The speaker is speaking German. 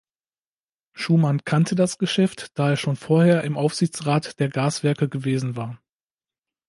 Schumann kannte das Geschäft, da er schon vorher im Aufsichtsrat der Gaswerke gewesen war.